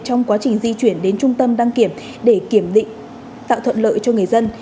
trong quá trình di chuyển đến trung tâm đăng kiểm để kiểm định tạo thuận lợi cho người dân